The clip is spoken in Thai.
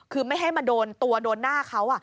คือไม่ให้มาโดนตัวโดนหน้าเขา